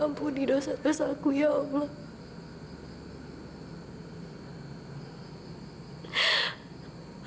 ampuni dosa dosaku ya allah